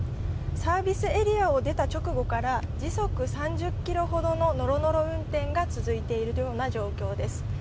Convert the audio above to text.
サービスエリアを出た直後から、時速３０キロほどののろのろ運転が続いている状況です。